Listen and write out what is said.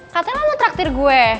katanya mau traktir gue